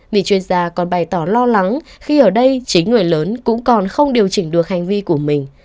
vì chuyên gia còn bày tỏ lo lắng khi ở đây chính người lớn cũng còn không điều chỉnh được hành vi của mình